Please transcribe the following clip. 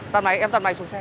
tạm bài em tạm bài xuống xe